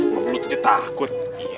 kalau belut aja takut